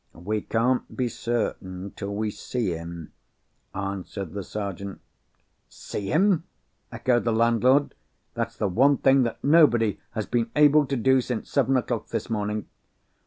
"We can't be certain till we see him," answered the Sergeant. "See him?" echoed the landlord. "That's the one thing that nobody has been able to do since seven o'clock this morning.